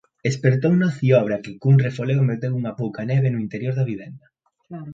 Espertouno a ciobra, que cun refoleo meteu unha pouca neve no interior da vivenda.